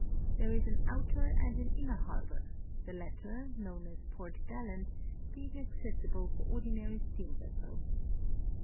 There is an outer and an inner harbor, the latter, known as Port Gallant, being accessible for ordinary steam ves sels.